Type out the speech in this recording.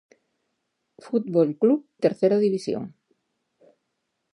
Fútbol Club Tercera División.